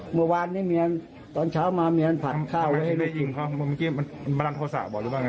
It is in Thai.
เมื่อวานนี้เมียตอนเช้ามาเมียผัดข้าวไฟฟ้าให้ได้จริงครับเมื่อกี้มันมาดันโทรศาสตร์บอกเลยบ้างไง